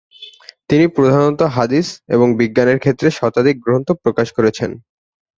তিনি প্রধানত হাদীস এবং বিজ্ঞানের ক্ষেত্রে শতাধিক গ্রন্থ প্রকাশ করেছেন।